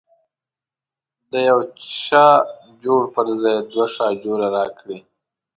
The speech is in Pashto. د یوه شاجور پر ځای دوه شاجوره راکړي.